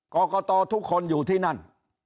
กรกตทุกคนอยู่ที่นั่น